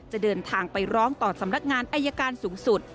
จะเดินทางไปร้องต่อสำนักงานอายการสูงสุด